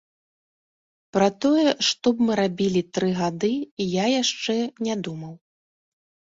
Пра тое, што б мы рабілі тры гады, я яшчэ не думаў.